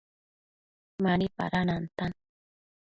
Mani pada nantan